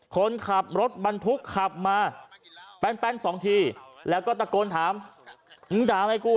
คนขับรถบรรทุกขับมาแป้นสองทีแล้วก็ตะโกนถามมึงด่าอะไรกู